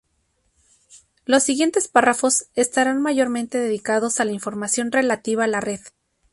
Los siguientes párrafos estarán mayormente dedicados a la información relativa a la red.